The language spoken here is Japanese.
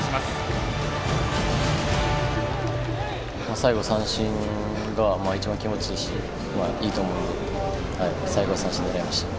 最後三振が一番気持ちいいしいいと思うので最後は三振を狙いました。